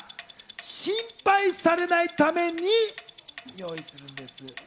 心配されないために用意するんです。